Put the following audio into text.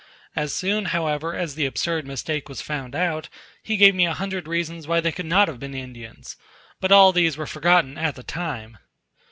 As soon, however, as the absurd mistake was found out, he gave me a hundred reasons why they could not have been Indians; but all these were forgotten at the time.